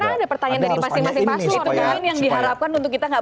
karena ada pertanyaan dari masing masing pasu orang lain yang diharapkan untuk kita gak